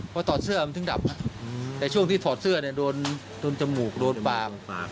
พอถอดเสื้อมันถึงดับแต่ช่วงที่ถอดเสื้อเนี่ยโดนจมูกโดนบาง